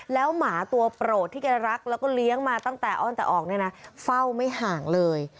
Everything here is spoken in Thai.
แล้วหมาตัวโปรดที่แกรักแล้วก็เลี้ยงมาตั้งแต่อ้อนแต่ออกเนี่ยนะเฝ้าไม่ห่างเลย